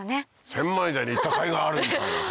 千枚田に行ったかいがあるみたいなさ。